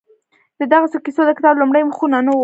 د دغو کیسو د کتاب لومړي مخونه نه وو؟